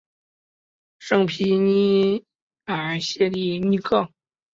圣皮耶尔谢里尼亚。